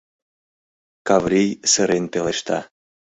— Каврий сырен пелешта.